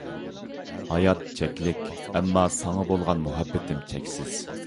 ھايات چەكلىك، ئەمما ساڭا بولغان مۇھەببىتىم چەكسىز.